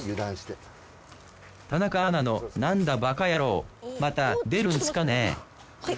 田中アナの何だバカヤロウまた出るんすかね？